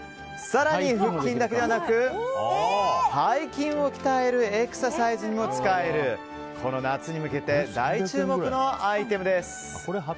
更に、腹筋だけではなく背筋を鍛えるエクササイズにも使えるこの夏に向けて大注目のアイテムです。